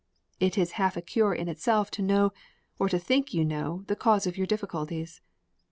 It is half a cure in itself to know or to think you know the cause of your difficulties.